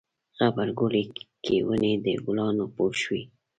غبرګولی کې ونې د ګلانو پوښ وي.